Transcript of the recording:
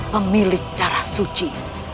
pemilik darah suci